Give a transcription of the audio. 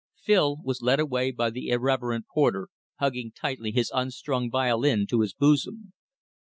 Phil was led away by the irreverent porter, hugging tightly his unstrung violin to his bosom.